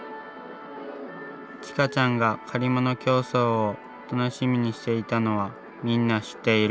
ちかちゃんが借り物競走を楽しみにしていたのはみんな知っている。